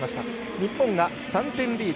日本が３点リード。